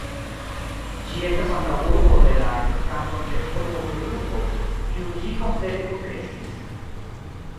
Ĝi estas antaŭurbo de la kantonĉefurbo Friburgo, kiu ĝi komplete kunkreskis.